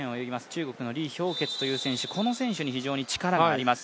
中国の李氷潔という選手、この選手は非常に力があります。